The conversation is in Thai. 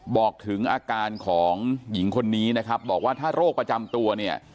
บอกถึงอาการของหญิงคนนี้นะครับบอกว่าถ้าโรคประจำตัวเนี่ย